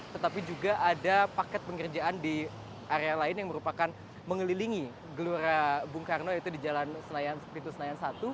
tetapi juga ada paket pengerjaan di area lain yang merupakan mengelilingi gelora bung karno yaitu di jalan pintu senayan satu